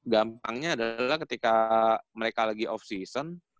gampangnya adalah ketika mereka lagi off season